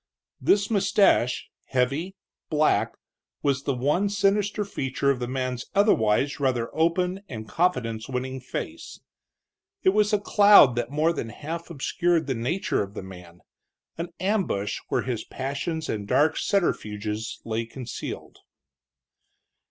This mustache, heavy, black, was the one sinister feature of the man's otherwise rather open and confidence winning face. It was a cloud that more than half obscured the nature of the man, an ambush where his passions and dark subterfuges lay concealed.